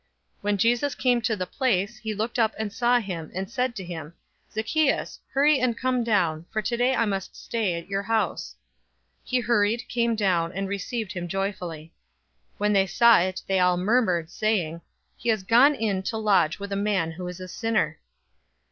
019:005 When Jesus came to the place, he looked up and saw him, and said to him, "Zacchaeus, hurry and come down, for today I must stay at your house." 019:006 He hurried, came down, and received him joyfully. 019:007 When they saw it, they all murmured, saying, "He has gone in to lodge with a man who is a sinner."